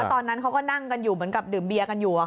ตอนนั้นเขาก็นั่งกันอยู่เหมือนกับดื่มเบียร์กันอยู่